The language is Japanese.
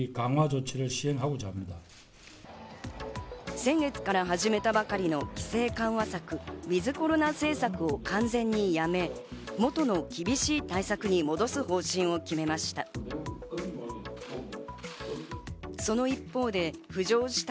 先月から始めたばかりの規制緩和策ウィズコロナ政策を完全にやめ、元の厳しい対策に戻す方針を決めました。